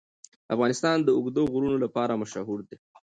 افغانستان د اوږده غرونه لپاره مشهور دی.